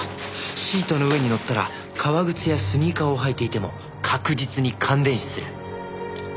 シートの上に乗ったら革靴やスニーカーを履いていても確実に感電死する